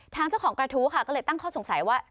ทางเจ้าของกระทู้ค่ะก็เลยตั้งข้อสงสัยว่า